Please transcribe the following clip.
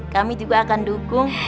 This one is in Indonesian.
kami juga akan dukung